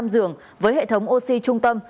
một trăm linh giường với hệ thống oxy trung tâm